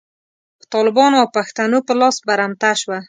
په طالبانو او پښتنو په لاس برمته شوه.